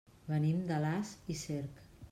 Venim d'Alàs i Cerc.